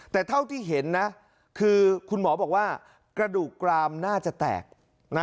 แต่เท่าที่เห็นนะคือคุณหมอบอกว่ากระดูกกรามน่าจะแตกนะ